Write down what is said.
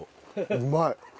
うまい。